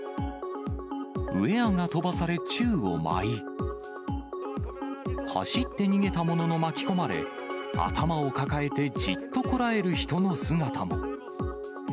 ウエアが飛ばされ、宙を舞い、走って逃げたものの巻き込まれ、頭を抱えてじっとこらえる人の姿も。